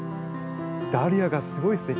ダリアがすごいすてき。